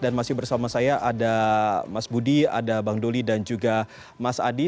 dan masih bersama saya ada mas budi ada bang doli dan juga mas adi